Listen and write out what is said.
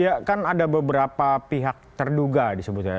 ya kan ada beberapa pihak terduga disebutnya